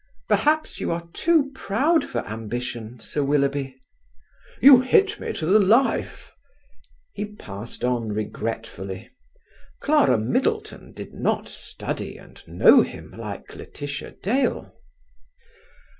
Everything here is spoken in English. "Perhaps you are too proud for ambition, Sir Willoughby." "You hit me to the life!" He passed on regretfully. Clara Middleton did not study and know him like Laetitia Dale.